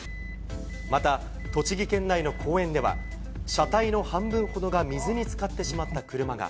また栃木県内の公園では、車体の半分ほどが水に浸かってしまった車が。